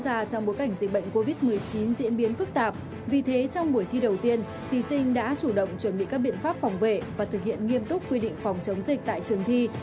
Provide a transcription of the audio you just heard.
diễn ra trong bối cảnh dịch bệnh covid một mươi chín diễn biến phức tạp vì thế trong buổi thi đầu tiên thí sinh đã chủ động chuẩn bị các biện pháp phòng vệ và thực hiện nghiêm túc quy định phòng chống dịch tại trường thi